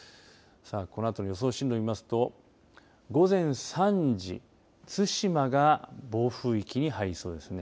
このあとの予想進路見ますと午前３時、対馬が暴風域に入りそうですね。